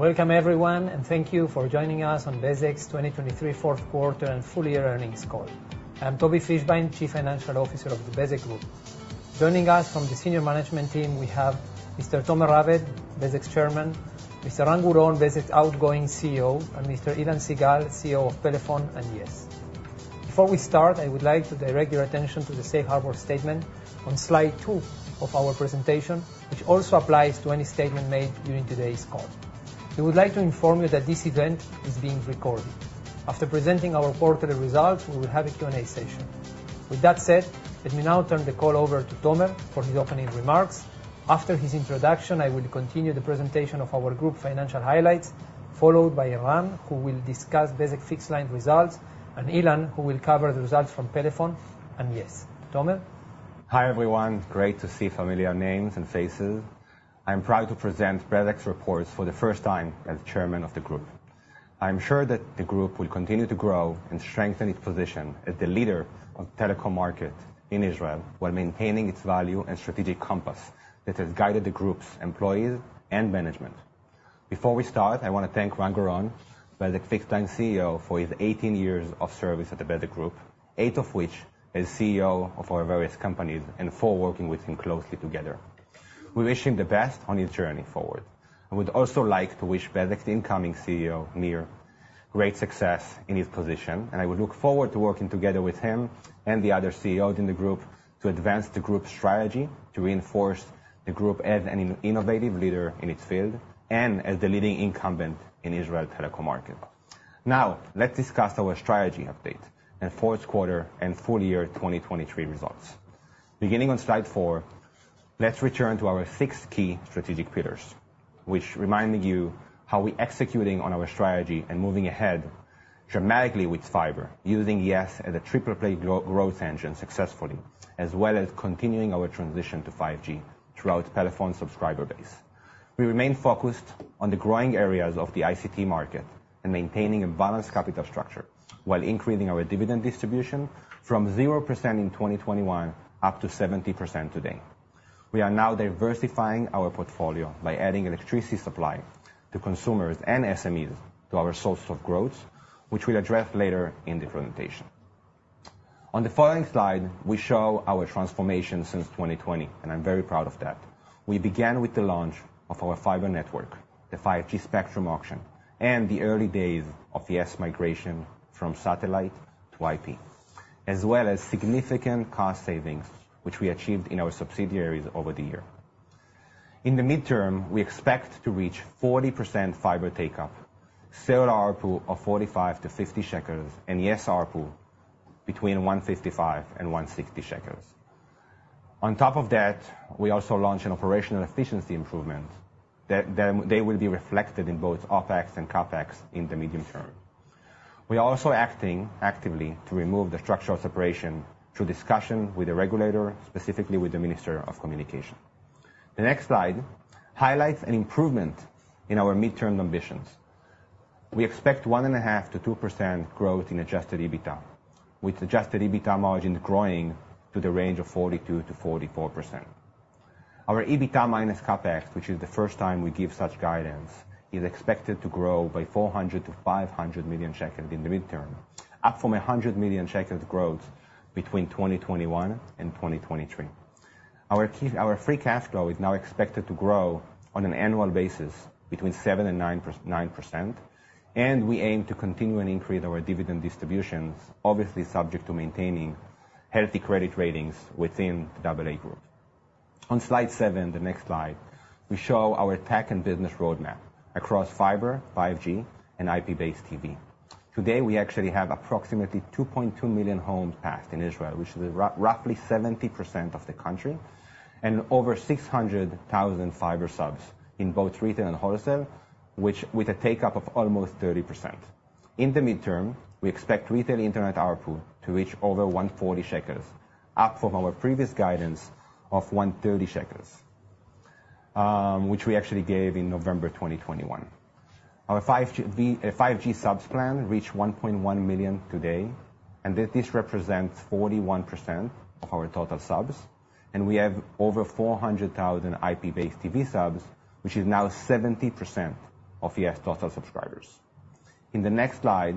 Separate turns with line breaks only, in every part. Welcome everyone, and thank you for joining us on Bezeq's 2023 Fourth Quarter and Full-Year Earnings Call. I'm Tobi Fischbein, Chief Financial Officer of the Bezeq Group. Joining us from the senior management team, we have Mr. Tomer Raved, Bezeq's chairman, Mr. Ran Guron, Bezeq's outgoing CEO, and Mr. Ilan Sigal, CEO of Pelephone and yes. Before we start, I would like to direct your attention to the Safe Harbor statement on slide 2 of our presentation, which also applies to any statement made during today's call. We would like to inform you that this event is being recorded. After presenting our quarterly results, we will have a Q&A session. With that said, let me now turn the call over to Tomer for his opening remarks. After his introduction, I will continue the presentation of our group financial highlights, followed by Nir, who will discuss Bezeq fixed line results, and Ilan, who will cover the results from Pelephone and yes. Tomer?
Hi everyone. Great to see familiar names and faces. I'm proud to present Bezeq's reports for the first time as chairman of the group. I'm sure that the group will continue to grow and strengthen its position as the leader of the telecom market in Israel while maintaining its value and strategic compass that has guided the group's employees and management. Before we start, I want to thank Ran Guron, Bezeq fixed-line CEO, for his 18 years of service at the Bezeq Group, eight of which as CEO of our various companies, and four working with him closely together. We wish him the best on his journey forward. I would also like to wish Bezeq's incoming CEO, Nir, great success in his position, and I would look forward to working together with him and the other CEOs in the group to advance the group's strategy, to reinforce the group as an innovative leader in its field and as the leading incumbent in the Israeli telecommunications market. Now, let's discuss our strategy update and fourth quarter and full-year 2023 results. Beginning on slide 4, let's return to our six key strategic pillars, reminding you how we are executing on our strategy and moving ahead dramatically with fiber, using yes as a triple-play growth engine successfully, as well as continuing our transition to 5G throughout Pelephone's subscriber base. We remain focused on the growing areas of the ICT market and maintaining a balanced capital structure while increasing our dividend distribution from 0% in 2021 up to 70% today. We are now diversifying our portfolio by adding electricity supply to consumers and SMEs to our sources of growth, which we'll address later in the presentation. On the following slide, we show our transformation since 2020, and I'm very proud of that. We began with the launch of our fiber network, the 5G spectrum auction, and the early days of yes migration from satellite to IP, as well as significant cost savings which we achieved in our subsidiaries over the year. In the midterm, we expect to reach 40% fiber takeup, cellular ARPU of 45-50 shekels, and yes ARPU between 155 and 160 shekels. On top of that, we also launch an operational efficiency improvement that will be reflected in both OPEX and CAPEX in the medium term. We are also acting actively to remove the structural separation through discussion with the regulator, specifically with the Minister of Communications. The next slide highlights an improvement in our midterm ambitions. We expect 1.5%-2% growth in adjusted EBITDA, with adjusted EBITDA margin growing to the range of 42%-44%. Our EBITDA minus CAPEX, which is the first time we give such guidance, is expected to grow by 400-500 million shekels in the midterm, up from 100 million shekels growth between 2021 and 2023. Our free cash flow is now expected to grow on an annual basis between 7%-9%, and we aim to continue and increase our dividend distributions, obviously subject to maintaining healthy credit ratings within the AA Group. On slide 7, the next slide, we show our tech and business roadmap across fiber, 5G, and IP-based TV. Today, we actually have approximately 2.2 million homes passed in Israel, which is roughly 70% of the country, and over 600,000 fiber subs in both retail and wholesale, with a takeup of almost 30%. In the midterm, we expect retail internet ARPU to reach over 140 shekels, up from our previous guidance of 130 shekels, which we actually gave in November 2021. Our 5G subs plan reached 1.1 million today, and this represents 41% of our total subs, and we have over 400,000 IP-based TV subs, which is now 70% of yes total subscribers. In the next slide,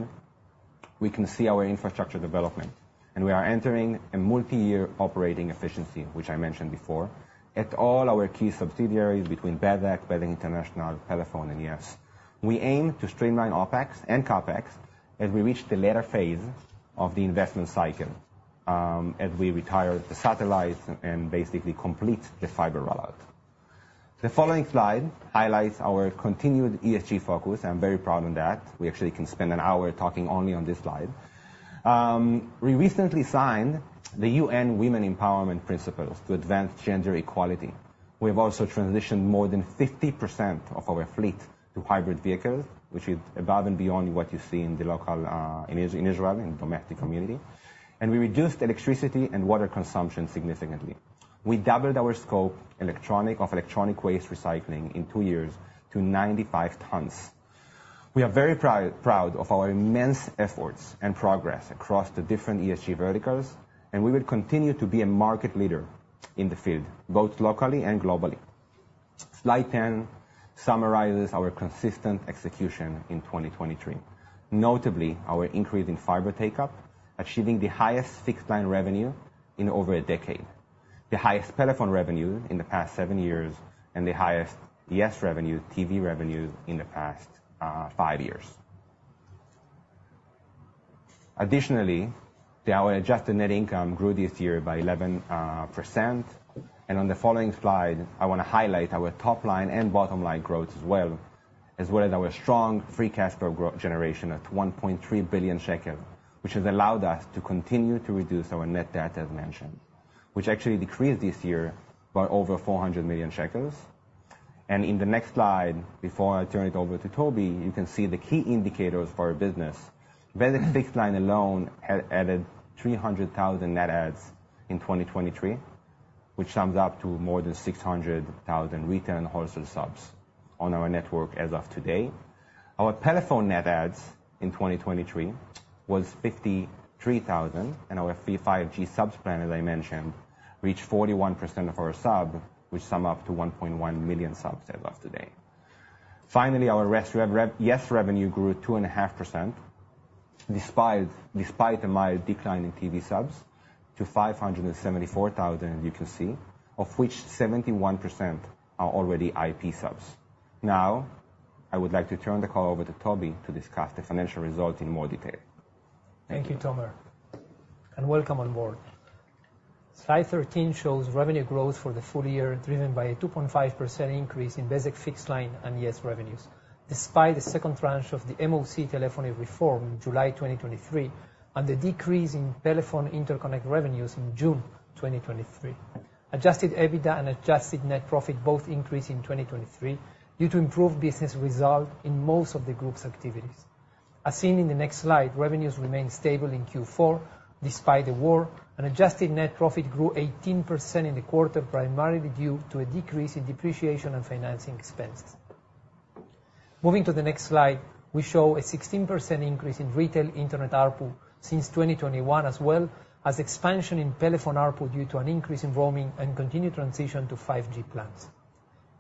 we can see our infrastructure development, and we are entering a multi-year operating efficiency, which I mentioned before, at all our key subsidiaries between Bezeq, Bezeq International, Pelephone, and yes. We aim to streamline OPEX and CAPEX as we reach the later phase of the investment cycle as we retire the satellites and basically complete the fiber rollout. The following slide highlights our continued ESG focus. I'm very proud of that. We actually can spend an hour talking only on this slide. We recently signed the UN Women Empowerment Principles to advance gender equality. We have also transitioned more than 50% of our fleet to hybrid vehicles, which is above and beyond what you see in the local in Israel, in the domestic community, and we reduced electricity and water consumption significantly. We doubled our scope of electronic waste recycling in 2 years to 95 tons. We are very proud of our immense efforts and progress across the different ESG verticals, and we will continue to be a market leader in the field, both locally and globally. Slide 10 summarizes our consistent execution in 2023, notably our increase in fiber takeup, achieving the highest fixed line revenue in over a decade, the highest Pelephone revenue in the past seven years, and the highest yes TV revenue in the past five years. Additionally, our adjusted net income grew this year by 11%, and on the following slide, I want to highlight our top line and bottom line growth as well, as well as our strong free cash flow generation at 1.3 billion shekels, which has allowed us to continue to reduce our net debt, as mentioned, which actually decreased this year by over 400 million shekels. In the next slide, before I turn it over to Tobi, you can see the key indicators for our business. Bezeq fixed line alone added 300,000 net adds in 2023, which sums up to more than 600,000 retail and wholesale subs on our network as of today. Our Pelephone net adds in 2023 were 53,000, and our 5G subs plan, as I mentioned, reached 41% of our sub, which sums up to 1.1 million subs as of today. Finally, our yes revenue grew 2.5% despite a mild decline in TV subs to 574,000, as you can see, of which 71% are already IP subs. Now, I would like to turn the call over to Tobi to discuss the financial results in more detail. Thank you, Tomer, and welcome on board. Slide 13 shows revenue growth for the full year driven by a 2.5% increase in Bezeq fixed line and yes revenues, despite the second tranche of the MOC telephony reform in July 2023 and the decrease in Pelephone interconnect revenues in June 2023. Adjusted EBITDA and adjusted net profit both increased in 2023 due to improved business results in most of the group's activities. As seen in the next slide, revenues remained stable in Q4 despite the war, and adjusted net profit grew 18% in the quarter, primarily due to a decrease in depreciation and financing expenses. Moving to the next slide, we show a 16% increase in retail internet ARPU since 2021, as well as expansion in Pelephone ARPU due to an increase in roaming and continued transition to 5G plans.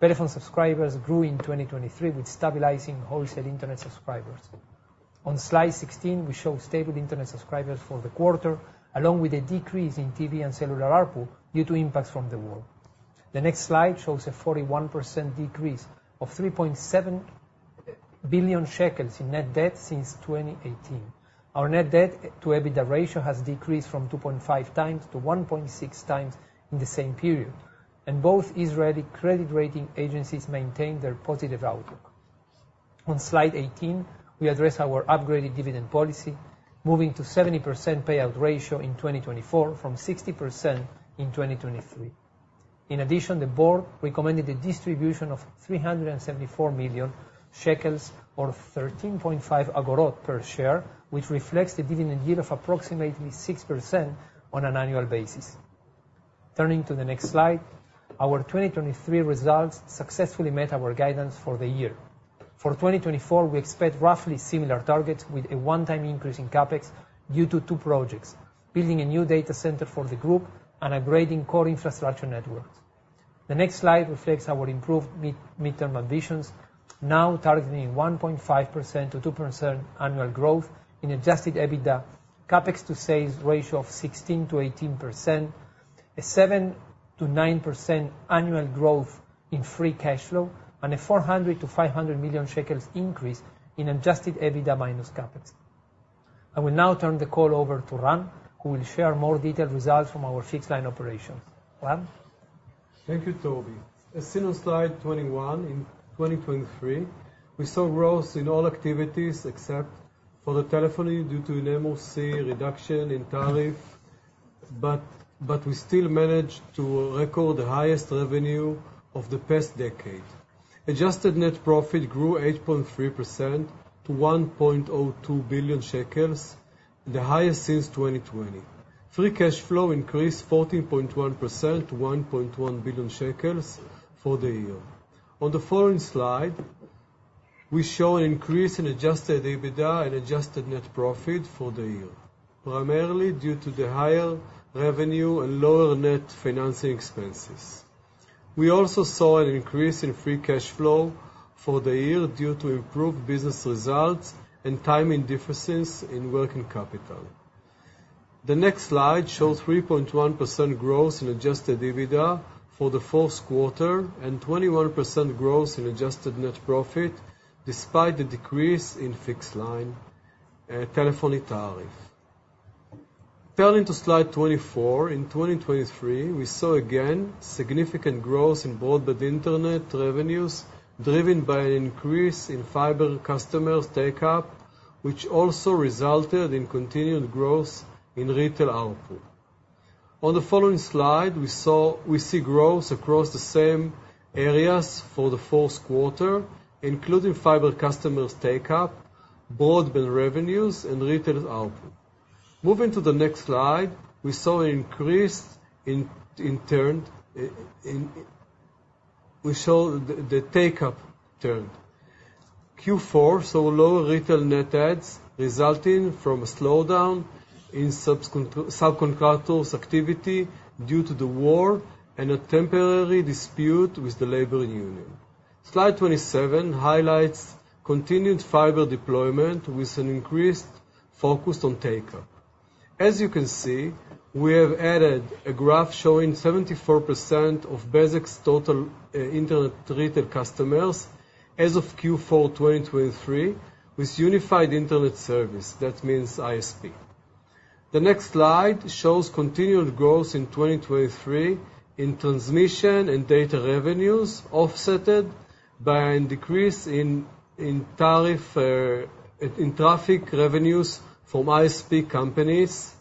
Pelephone subscribers grew in 2023 with stabilizing wholesale internet subscribers. On slide 16, we show stable internet subscribers for the quarter, along with a decrease in TV and cellular ARPU due to impacts from the war. The next slide shows a 41% decrease of 3.7 billion shekels in net debt since 2018. Our net debt-to-EBITDA ratio has decreased from 2.5x to 1.6x in the same period, and both Israeli credit rating agencies maintain their positive outlook. On slide 18, we address our upgraded dividend policy, moving to a 70% payout ratio in 2024 from 60% in 2023. In addition, the board recommended a distribution of 374 million shekels, or 13.5 agorot per share, which reflects a dividend yield of approximately 6% on an annual basis. Turning to the next slide, our 2023 results successfully met our guidance for the year. For 2024, we expect roughly similar targets with a one-time increase in CAPEX due to two projects: building a new data center for the group and upgrading core infrastructure networks. The next slide reflects our improved midterm ambitions, now targeting 1.5%-2% annual growth in adjusted EBITDA, CAPEX-to-Sales ratio of 16%-18%, a 7%-9% annual growth in free cash flow, and a 400 million-500 million shekels increase in adjusted EBITDA minus CAPEX. I will now turn the call over to Ran, who will share more detailed results from our fixed line operations. Ran?
Thank you, Tobi. As seen on slide 21, in 2023, we saw growth in all activities except for the telephony due to an MOC reduction in tariff, but we still managed to record the highest revenue of the past decade. Adjusted net profit grew 8.3% to 1.02 billion shekels, the highest since 2020. Free cash flow increased 14.1% to 1.1 billion shekels for the year. On the following slide, we show an increase in adjusted EBITDA and adjusted net profit for the year, primarily due to the higher revenue and lower net financing expenses. We also saw an increase in free cash flow for the year due to improved business results and timing differences in working capital. The next slide shows 3.1% growth in adjusted EBITDA for the fourth quarter and 21% growth in adjusted net profit despite the decrease in fixed line telephony tariff. Turning to slide 24, in 2023, we saw again significant growth in broadband internet revenues driven by an increase in fiber customers' takeup, which also resulted in continued growth in retail ARPU. On the following slide, we see growth across the same areas for the fourth quarter, including fiber customers' takeup, broadband revenues, and retail ARPU. Moving to the next slide, we saw an increase in the takeup rate. Q4 saw lower retail net adds, resulting from a slowdown in subcontractors' activity due to the war and a temporary dispute with the labor union. Slide 27 highlights continued fiber deployment with an increased focus on takeup. As you can see, we have added a graph showing 74% of Bezeq's total internet retail customers as of Q4 2023 with Unified Internet Service, that means ISP. The next slide shows continued growth in 2023 in transmission and data revenues, offset by a decrease in traffic revenues from ISP companies.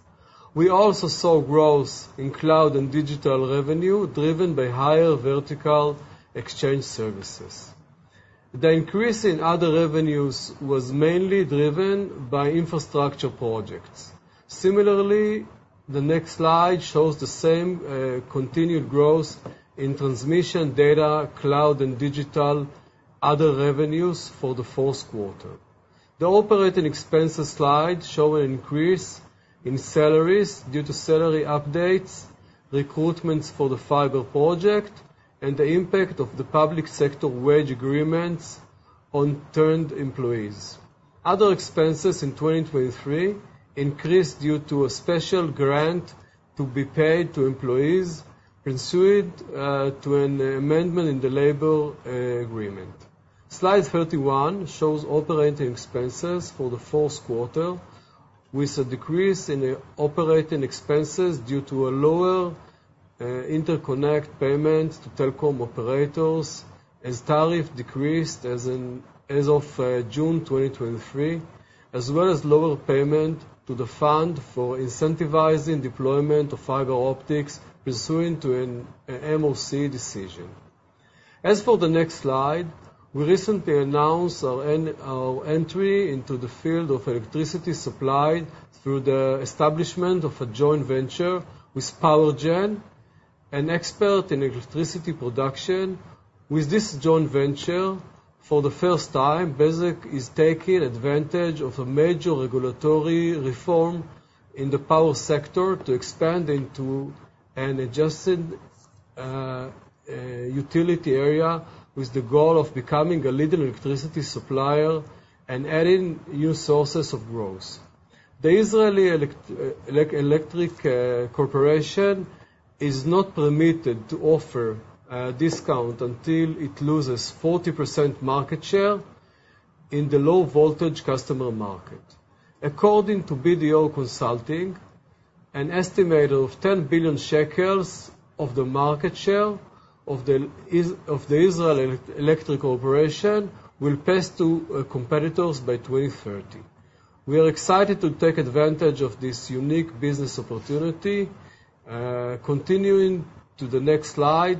We also saw growth in cloud and digital revenue driven by higher vertical exchange services. The increase in other revenues was mainly driven by infrastructure projects. Similarly, the next slide shows the same continued growth in transmission, data, cloud, and digital other revenues for the fourth quarter. The operating expenses slide shows an increase in salaries due to salary updates, recruitments for the fiber project, and the impact of the public sector wage agreements on contract employees. Other expenses in 2023 increased due to a special grant to be paid to employees pursuant to an amendment in the labor agreement. Slide 31 shows operating expenses for the fourth quarter, with a decrease in operating expenses due to a lower interconnect payment to telecom operators as tariff decreased as of June 2023, as well as lower payment to the fund for incentivizing deployment of fiber optics pursuant to an MOC decision. As for the next slide, we recently announced our entry into the field of electricity supply through the establishment of a joint venture with PowerGen, an expert in electricity production. With this joint venture, for the first time, Bezeq is taking advantage of a major regulatory reform in the power sector to expand into an adjusted utility area with the goal of becoming a leading electricity supplier and adding new sources of growth. The Israeli Electric Corporation is not permitted to offer a discount until it loses 40% market share in the low-voltage customer market. According to BDO Consulting, an estimate of 10 billion shekels of the market share of the Israeli Electric Corporation will pass to competitors by 2030. We are excited to take advantage of this unique business opportunity. Continuing to the next slide,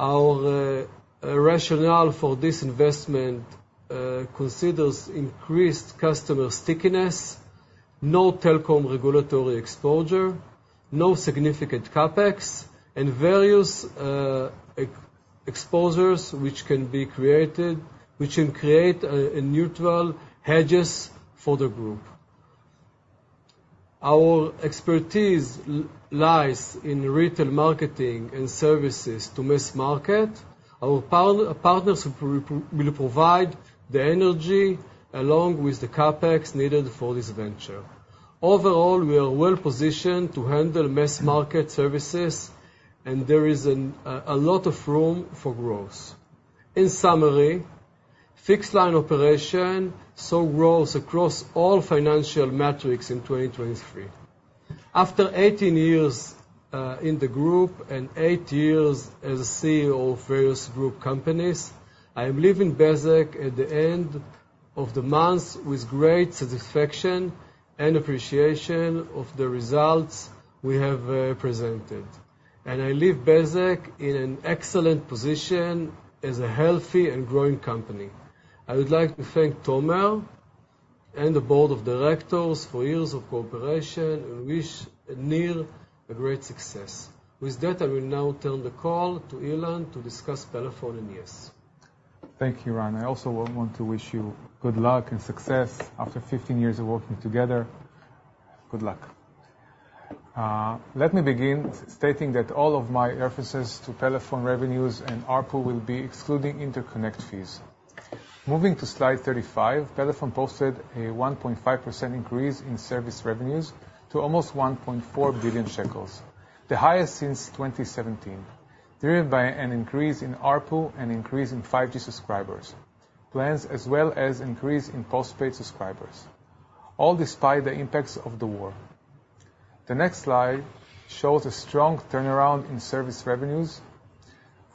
our rationale for this investment considers increased customer stickiness, no telecom regulatory exposure, no significant CAPEX, and various exposures which can create a neutral hedges for the group. Our expertise lies in retail marketing and services to mass market. Our partners will provide the energy along with the CAPEX needed for this venture. Overall, we are well positioned to handle mass market services, and there is a lot of room for growth. In summary, fixed line operation saw growth across all financial metrics in 2023. After 18 years in the group and 8 years as a CEO of various group companies, I am leaving Bezeq at the end of the month with great satisfaction and appreciation of the results we have presented. I leave Bezeq in an excellent position as a healthy and growing company. I would like to thank Tomer and the board of directors for years of cooperation and wish Nir a great success. With that, I will now turn the call to Ilan to discuss Pelephone and yes.
Thank you, Ran. I also want to wish you good luck and success after 15 years of working together. Good luck. Let me begin stating that all of my references to Pelephone revenues and ARPU will be excluding interconnect fees. Moving to slide 35, Pelephone posted a 1.5% increase in service revenues to almost 1.4 billion shekels, the highest since 2017, driven by an increase in ARPU and increase in 5G subscribers, plans as well as an increase in postpaid subscribers, all despite the impacts of the war. The next slide shows a strong turnaround in service revenues.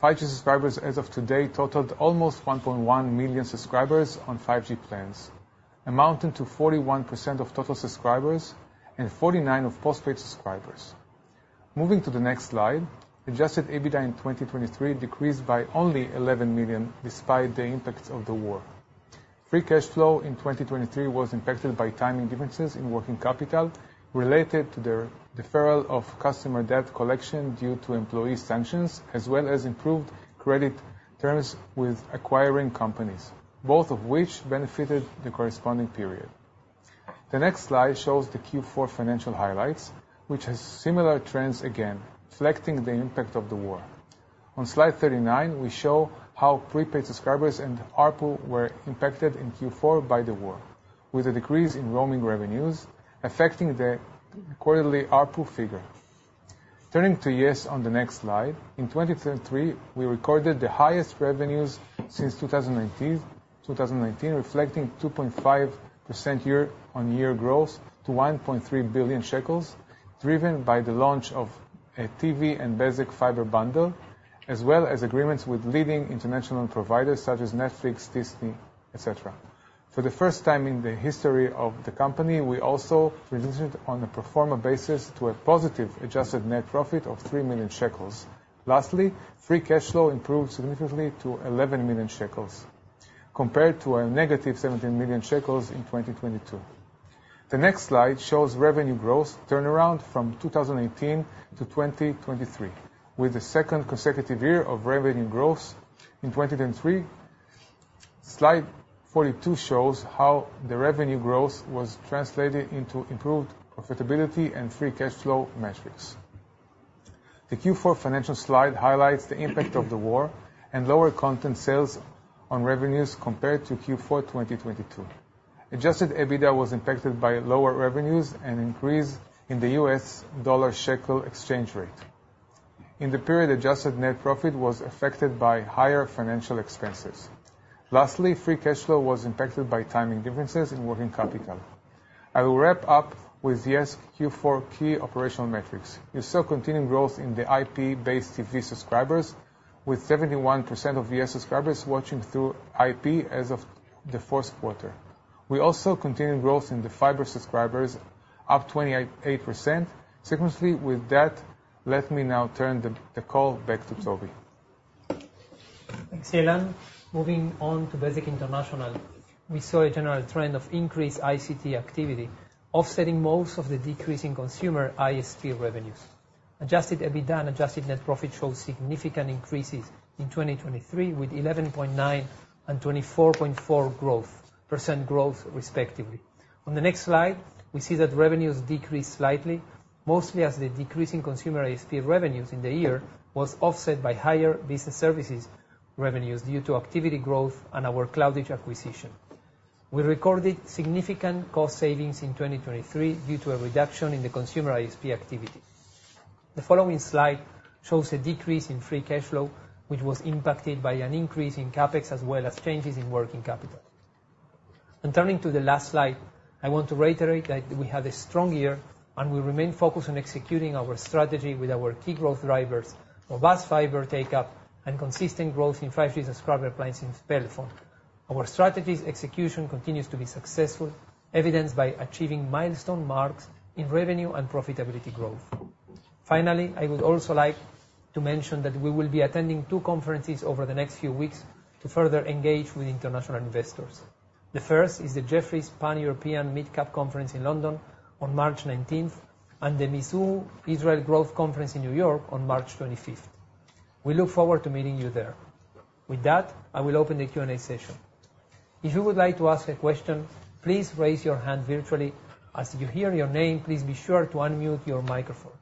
5G subscribers as of today totaled almost 1.1 million subscribers on 5G plans, amounting to 41% of total subscribers and 49% of postpaid subscribers. Moving to the next slide, adjusted EBITDA in 2023 decreased by only 11 million despite the impacts of the war. Free cash flow in 2023 was impacted by timing differences in working capital related to the deferral of customer debt collection due to employee sanctions, as well as improved credit terms with acquiring companies, both of which benefited the corresponding period. The next slide shows the Q4 financial highlights, which has similar trends again, reflecting the impact of the war. On slide 39, we show how prepaid subscribers and ARPU were impacted in Q4 by the war, with a decrease in roaming revenues affecting the quarterly ARPU figure. Turning to yes on the next slide, in 2023, we recorded the highest revenues since 2019, reflecting 2.5% year-on-year growth to 1.3 billion shekels, driven by the launch of a TV and Bezeq fiber bundle, as well as agreements with leading international providers such as Netflix, Disney, etc. For the first time in the history of the company, we also transitioned on a performer basis to a positive adjusted net profit of 3 million shekels. Lastly, free cash flow improved significantly to 11 million shekels, compared to a negative 17 million shekels in 2022. The next slide shows revenue growth turnaround from 2018 to 2023, with the second consecutive year of revenue growth in 2023. Slide 42 shows how the revenue growth was translated into improved profitability and free cash flow metrics. The Q4 financial slide highlights the impact of the war and lower content sales on revenues compared to Q4 2022. Adjusted EBITDA was impacted by lower revenues and an increase in the U.S. dollar/shekel exchange rate. In the period, adjusted net profit was affected by higher financial expenses. Lastly, free cash flow was impacted by timing differences in working capital. I will wrap up with yes Q4 key operational metrics. We saw continued growth in the IP-based TV subscribers, with 71% of yes subscribers watching through IP as of the fourth quarter. We also continued growth in the fiber subscribers, up 28%. Sequentially with that, let me now turn the call back to Tobi.
Thanks, Ilan. Moving on to Bezeq International, we saw a general trend of increased ICT activity, offsetting most of the decrease in consumer ISP revenues. Adjusted EBITDA and adjusted net profit showed significant increases in 2023 with 11.9% and 24.4% growth, respectively. On the next slide, we see that revenues decreased slightly, mostly as the decrease in consumer ISP revenues in the year was offset by higher business services revenues due to activity growth and our CloudEdgeacquisition. We recorded significant cost savings in 2023 due to a reduction in the consumer ISP activity. The following slide shows a decrease in free cash flow, which was impacted by an increase in CAPEX as well as changes in working capital. Turning to the last slide, I want to reiterate that we had a strong year, and we remain focused on executing our strategy with our key growth drivers of vast fiber takeup and consistent growth in 5G subscriber plans in Pelephone. Our strategy's execution continues to be successful, evidenced by achieving milestone marks in revenue and profitability growth. Finally, I would also like to mention that we will be attending two conferences over the next few weeks to further engage with international investors. The first is the Jefferies Pan-European Mid-Cap Conference in London on March 19th and the Mizuho Israel Growth Conference in New York on March 25th. We look forward to meeting you there. With that, I will open the Q&A session. If you would like to ask a question, please raise your hand virtually. As you hear your name, please be sure to unmute your microphone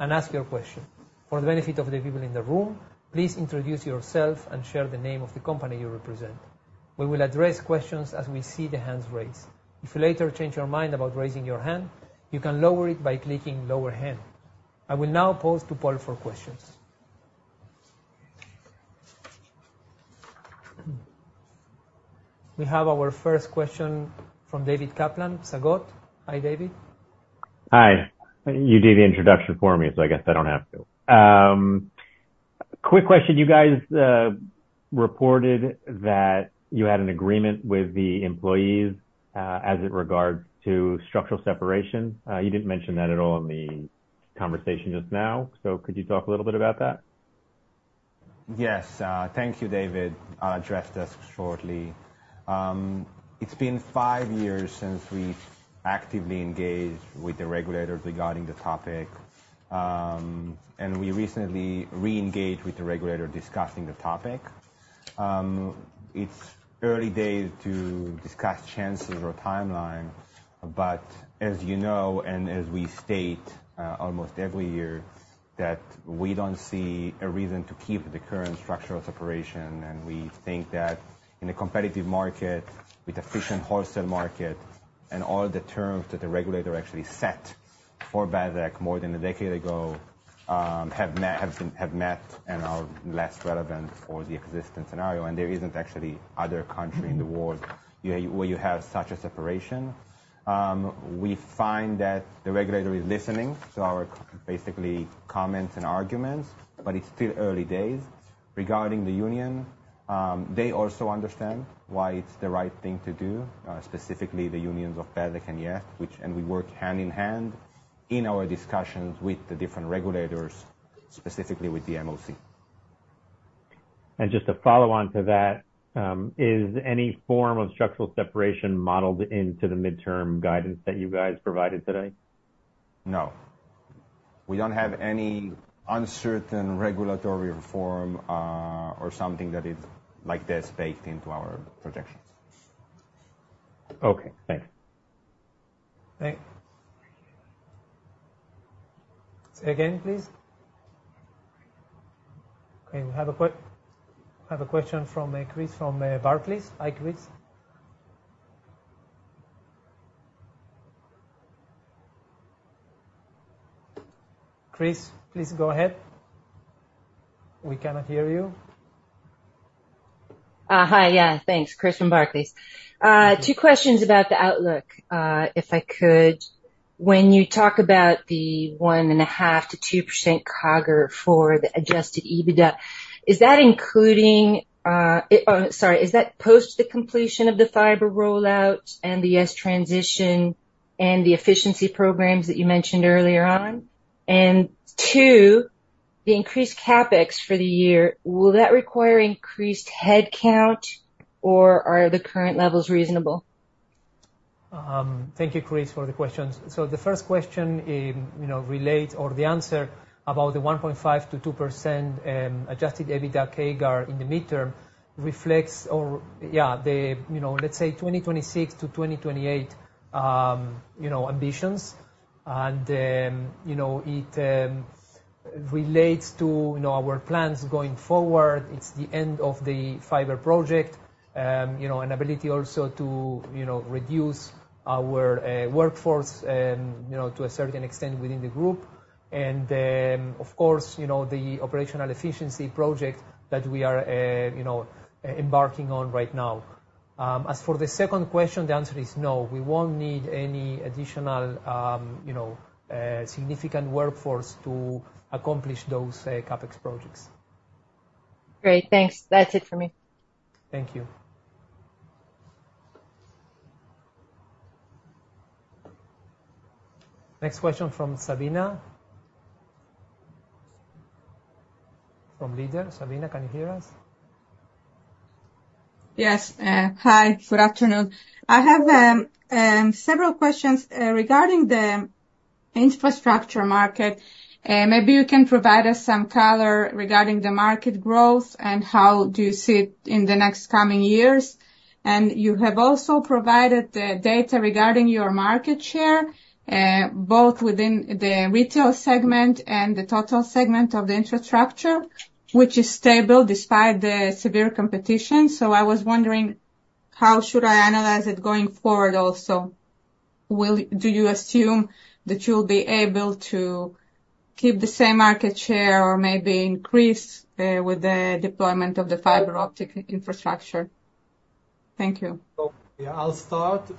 and ask your question. For the benefit of the people in the room, please introduce yourself and share the name of the company you represent. We will address questions as we see the hands raised. If you later change your mind about raising your hand, you can lower it by clicking Lower Hand. I will now pause to poll for questions. We have our first question from David Kaplan, Psagot. Hi, David.
Hi. You did the introduction for me, so I guess I don't have to. Quick question. You guys reported that you had an agreement with the employees as it regards to structural separation. You didn't mention that at all in the conversation just now, so could you talk a little bit about that?
Yes. Thank you, David. I'll address this shortly. It's been five years since we've actively engaged with the regulators regarding the topic, and we recently re-engaged with the regulator discussing the topic. It's early days to discuss chances or timeline, but as you know and as we state almost every year, that we don't see a reason to keep the current structural separation. We think that in a competitive market with efficient wholesale market and all the terms that the regulator actually set for Bezeq more than a decade ago have met and are less relevant for the existing scenario. There isn't actually other country in the world where you have such a separation. We find that the regulator is listening to our basically comments and arguments, but it's still early days. Regarding the union, they also understand why it's the right thing to do, specifically the unions of Bezeq and yes, and we work hand in hand in our discussions with the different regulators, specifically with the MOC.
Just a follow-on to that, is any form of structural separation modeled into the midterm guidance that you guys provided today?
No. We don't have any uncertain regulatory reform or something that is like this baked into our projections.
Okay. Thanks.
Thanks. Say again, please. Okay. We have a question from Chris from Barclays. Hi, Chris. Chris, please go ahead. We cannot hear you.
Hi. Yeah. Thanks. Chris from Barclays. Two questions about the outlook, if I could. When you talk about the 1.5%-2% CAGR for the adjusted EBITDA, is that including, sorry, is that post the completion of the fiber rollout and the yes transition and the efficiency programs that you mentioned earlier on? And two, the increased CAPEX for the year, will that require increased headcount, or are the current levels reasonable?
Thank you, Chris, for the questions. So the first question relates or the answer about the 1.5%-2% adjusted EBITDA CAGR in the midterm reflects, yeah, the, let's say, 2026 to 2028 ambitions. It relates to our plans going forward. It's the end of the fiber project and ability also to reduce our workforce to a certain extent within the group. Of course, the operational efficiency project that we are embarking on right now. As for the second question, the answer is no. We won't need any additional significant workforce to accomplish those CapEx projects.
Great. Thanks. That's it for me.
Thank you.
Next question from Sabina from LEADER. Sabina, can you hear us?
Yes. Hi. Good afternoon. I have several questions regarding the infrastructure market. Maybe you can provide us some color regarding the market growth and how do you see it in the next coming years. And you have also provided data regarding your market share, both within the retail segment and the total segment of the infrastructure, which is stable despite the severe competition. So I was wondering, how should I analyze it going forward also? Do you assume that you'll be able to keep the same market share or maybe increase with the deployment of the fiber optic infrastructure? Thank you.
Yeah. I'll start.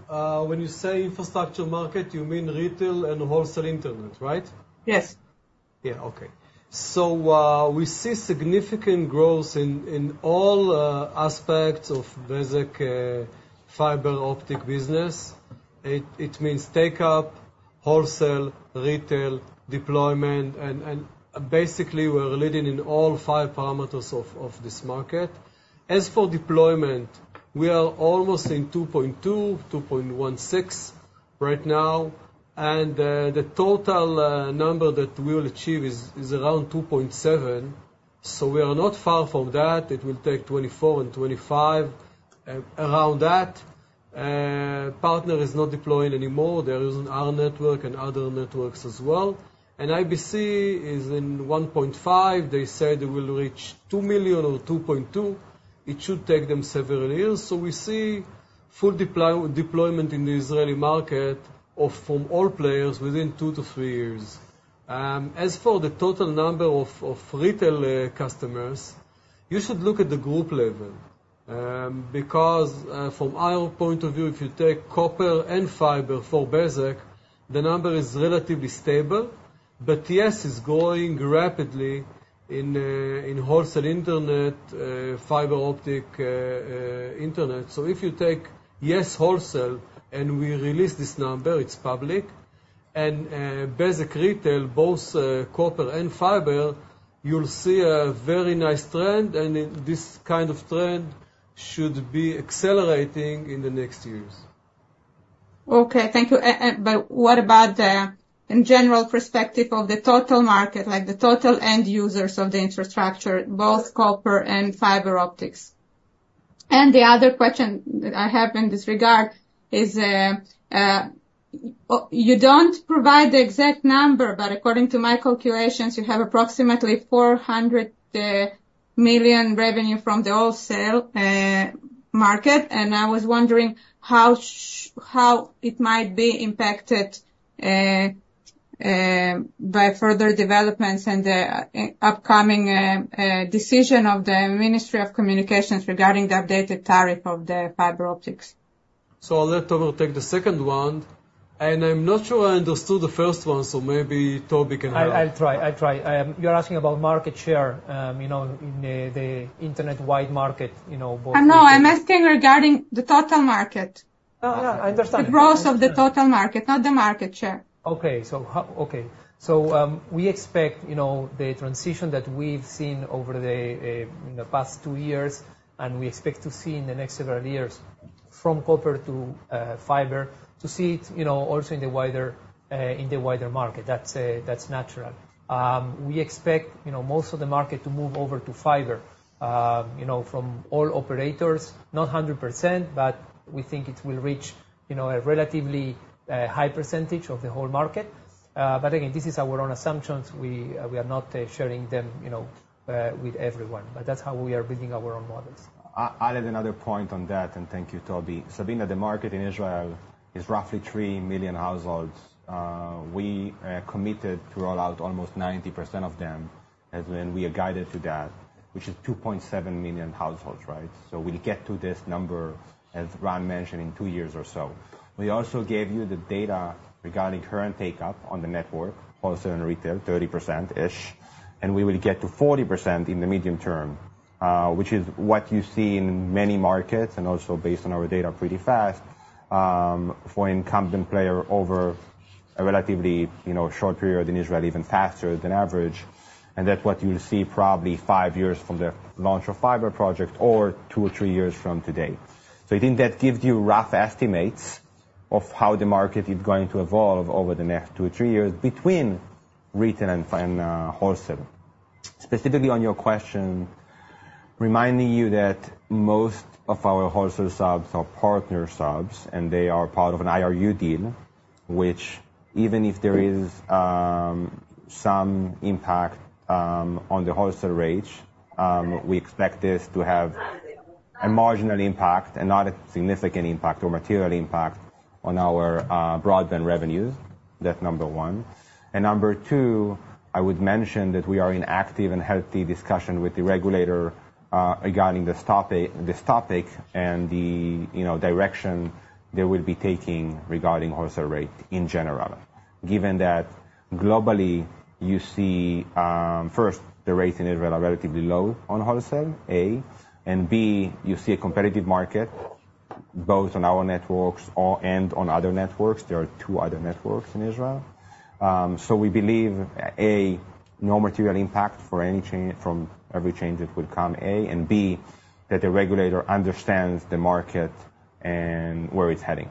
When you say infrastructure market, you mean retail and wholesale internet, right?
Yes.
Yeah. Okay. So we see significant growth in all aspects of Bezeq fiber optic business. It means takeup, wholesale, retail, deployment. And basically, we're leading in all five parameters of this market. As for deployment, we are almost in 2.2, 2.16 right now. And the total number that we will achieve is around 2.7. So we are not far from that. It will take 2024 and 2025, around that. Partner is not deploying anymore. There isn't our network and other networks as well. And IBC is in 1.5. They say they will reach 2 million or 2.2. It should take them several years. So we see full deployment in the Israeli market from all players within two to three years. As for the total number of retail customers, you should look at the group level because from our point of view, if you take copper and fiber for Bezeq, the number is relatively stable. But yes is growing rapidly in wholesale internet, fiber optic internet. So if you take yes wholesale and we release this number, it's public. And Bezeq retail, both copper and fiber, you'll see a very nice trend. And this kind of trend should be accelerating in the next years.
Okay. Thank you. But what about the general perspective of the total market, the total end users of the infrastructure, both copper and fiber optics? And the other question that I have in this regard is you don't provide the exact number, but according to my calculations, you have approximately 400 million revenue from the wholesale market. And I was wondering how it might be impacted by further developments and the upcoming decision of the Ministry of Communications regarding the updated tariff of the fiber optics.
So I'll let Tomer take the second one. I'm not sure I understood the first one, so maybe Tomer can help.
I'll try. I'll try. You're asking about market share in the internet-wide market, both.
No. I'm asking regarding the total market.
No. No. I understand.
The growth of the total market, not the market share.
Okay. Okay. So we expect the transition that we've seen over the past two years, and we expect to see in the next several years from copper to fiber, to see it also in the wider market. That's natural. We expect most of the market to move over to fiber from all operators, not 100%, but we think it will reach a relatively high percentage of the whole market. But again, this is our own assumptions. We are not sharing them with everyone. But that's how we are building our own models.
I added another point on that, and thank you, Toby. Sabina, the market in Israel is roughly 3 million households. We committed to roll out almost 90% of them when we are guided to that, which is 2.7 million households, right? So we'll get to this number, as Ron mentioned, in 2 years or so. We also gave you the data regarding current takeup on the network, wholesale and retail, 30%-ish. We will get to 40% in the medium term, which is what you see in many markets and also based on our data pretty fast for incumbent player over a relatively short period in Israel, even faster than average. That's what you'll see probably 5 years from the launch of fiber project or 2 or 3 years from today. So I think that gives you rough estimates of how the market is going to evolve over the next 2 or 3 years between retail and wholesale. Specifically on your question, reminding you that most of our wholesale subs are partner subs, and they are part of an IRU deal, which even if there is some impact on the wholesale rate, we expect this to have a marginal impact and not a significant impact or material impact on our broadband revenues. That's number one. And number two, I would mention that we are in active and healthy discussion with the regulator regarding this topic and the direction they will be taking regarding wholesale rate in general, given that globally, you see, first, the rates in Israel are relatively low on wholesale, A, and B, you see a competitive market both on our networks and on other networks. There are two other networks in Israel. So we believe, A, no material impact from every change that would come, A, and B, that the regulator understands the market and where it's heading.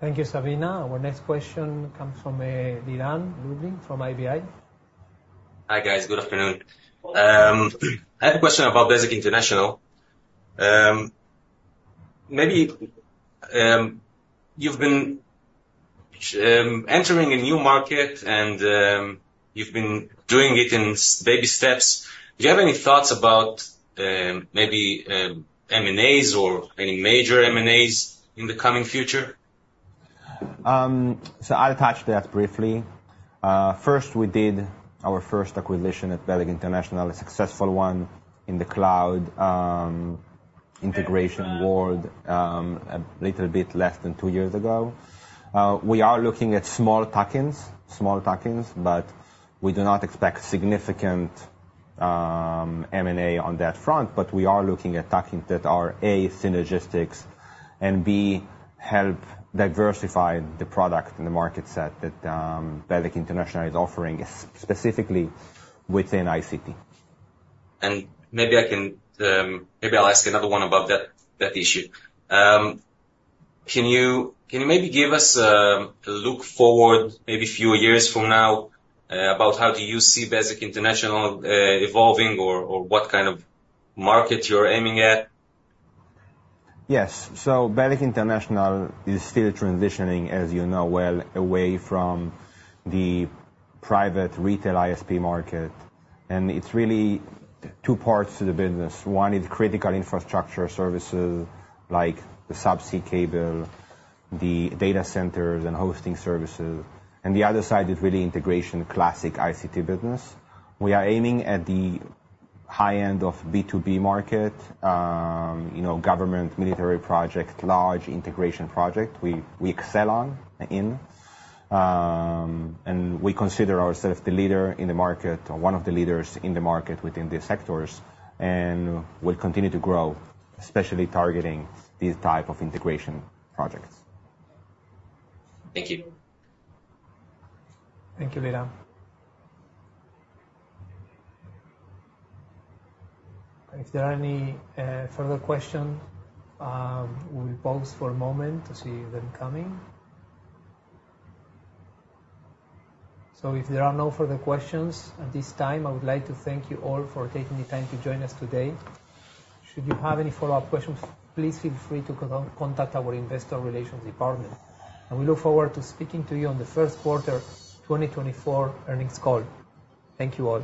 Thank you, Sabina. Our next question comes from Liran Lublin from IBI.
Hi, guys. Good afternoon. I have a question about Bezeq International. Maybe you've been entering a new market, and you've been doing it in baby steps. Do you have any thoughts about maybe M&As or any major M&As in the coming future?
So I'll touch that briefly. First, we did our first acquisition at Bezeq International, a successful one in the cloud integration world a little bit less than two years ago. We are looking at small tuck-ins, small tuck-ins, but we do not expect significant M&A on that front. But we are looking at tuck-ins that are, A, synergistic, and B, help diversify the product and the market set that Bezeq International is offering, specifically within ICT.
Maybe I'll ask another one about that issue. Can you maybe give us a look forward, maybe a few years from now, about how do you see Bezeq International evolving or what kind of market you're aiming at?
Yes. Bezeq International is still transitioning, as you know well, away from the private retail ISP market. It's really two parts to the business. One, it's critical infrastructure services like the subsea cable, the data centers, and hosting services. The other side, it's really integration classic ICT business. We are aiming at the high end of B2B market, government, military project, large integration project we excel in. We consider ourselves the leader in the market or one of the leaders in the market within these sectors and will continue to grow, especially targeting these type of integration projects.
Thank you.
Thank you, Liran. If there are any further questions, we'll pause for a moment to see them coming. If there are no further questions at this time, I would like to thank you all for taking the time to join us today. Should you have any follow-up questions, please feel free to contact our investor relations department. We look forward to speaking to you on the first quarter 2024 earnings call. Thank you all.